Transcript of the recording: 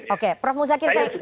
oke prof musa kirsaing